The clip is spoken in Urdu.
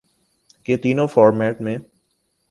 کہ تینوں فارمیٹ میں